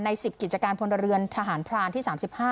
๑๐กิจการพลเรือนทหารพรานที่๓๕